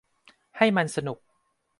ให้มันสนุก